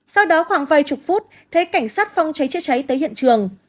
sau đó khoảng vài chục phút thấy cảnh sát phòng cháy chữa cháy tới hiện trường